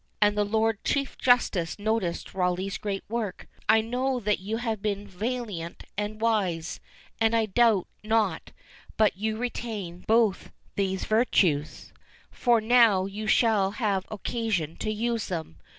And the lord chief justice noticed Rawleigh's great work: "I know that you have been valiant and wise, and I doubt not but you retain both these virtues, for now you shall have occasion to use them.